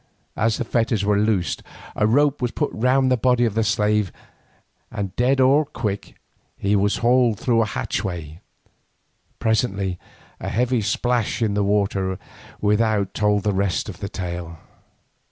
As the fetters were loosed a rope was put round the body of the slave, and dead or quick, he was hauled through the hatchway. Presently a heavy splash in the water without told the rest of the tale.